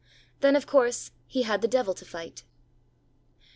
Then, of course, he had the devil to fight.